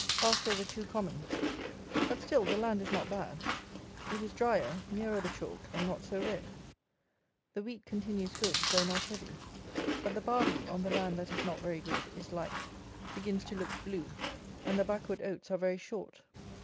Passed over two commons. But, still, the land is not bad. It is drier; nearer the chalk, and not so red. The wheat continues good, though not heavy; but the barley, on the land that is not very good, is light, begins to look blue, and the backward oats are very short.